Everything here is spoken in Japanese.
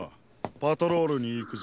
パトロールにいくぞ。